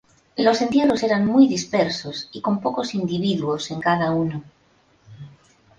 Los entierros eran muy dispersos y con pocos individuos en cada uno